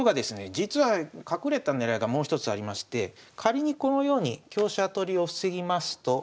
実は隠れた狙いがもう一つありまして仮にこのように香車取りを防ぎますと。